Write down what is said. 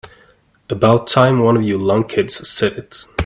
About time one of you lunkheads said it.